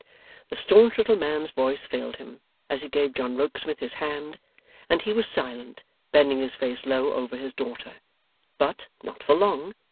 The stanch little man's voice failed him as he gave John Rokesmith his hand, and he was silent, bending his face low over his daughter. But, not for long.